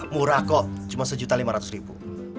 murah kok cuma sejuta lima ratus ribu